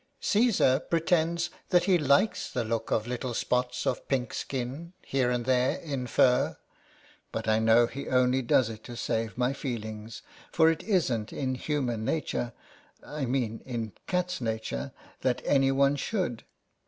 Caesar pretends that he likes the looks of little spots of pink skin, here and there, in fur ; but I know he only does it to save my feelings, for it isn't in human nature 1 mean in cat's nature that any one should.